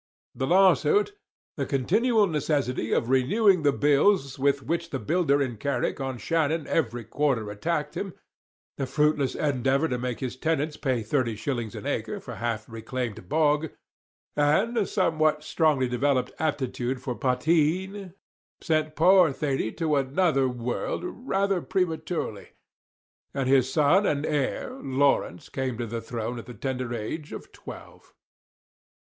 The lawsuit, the continual necessity of renewing the bills with which the builder in Carrick on Shannon every quarter attacked him, the fruitless endeavour to make his tenants pay thirty shillings an acre for half reclaimed bog, and a somewhat strongly developed aptitude for potheen, sent poor Thady to another world rather prematurely, and his son and heir, Lawrence, came to the throne at the tender age of twelve.